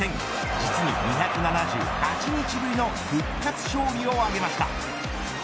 実に２７８日ぶりの復活勝利を挙げました。